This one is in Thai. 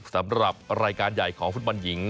สำหรับรายการใหญ่ของฟุตบอลหญิง